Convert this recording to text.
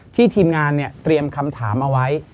ทีมงานเตรียมคำถามเอาไว้